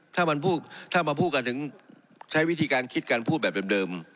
ถ้ามาพูดกันถึงใช้วิธีการคิดการพูดแบบเดิม